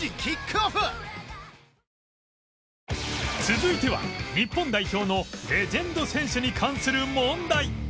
続いては日本代表のレジェンド選手に関する問題